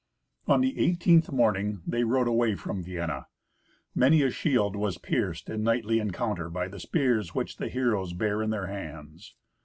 On the eighteenth morning they rode away from Vienna. Many a shield was pierced in knightly encounter by the spears which the heroes bare in their hands.